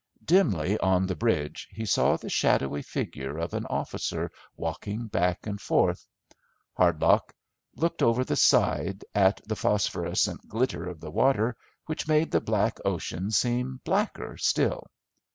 Dimly on the bridge he saw the shadowy figure of an officer walking back and forth. Hardlock looked over the side at the phosphorescent glitter of the water which made the black ocean seem blacker still.